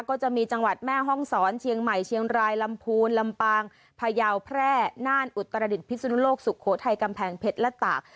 ก็จะมีจังหวัดแม่ห้องศรเชียงใหม่เชียงรายลำพูนลำปางพยาวแพร่น่านอุตรดิษฐพิศนุโลกสุโขทัยกำแพงเพชรและตาก